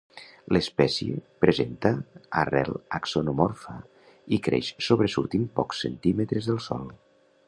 L'espècie presenta arrel axonomorfa i creix sobresortint pocs centímetres del sòl.